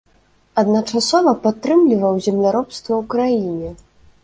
Адначасова падтрымліваў земляробства ў краіне.